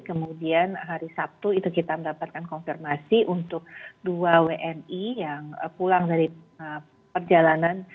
kemudian hari sabtu itu kita mendapatkan konfirmasi untuk dua wni yang pulang dari perjalanan